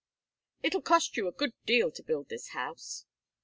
"It'll cost you a good deal to build this house."